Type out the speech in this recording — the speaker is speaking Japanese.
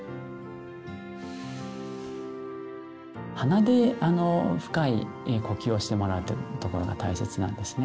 鼻で深い呼吸をしてもらうってところが大切なんですね。